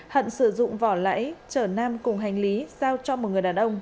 hận sử dụng vỏ lẫy chở nam cùng hành lý giao cho một người đàn ông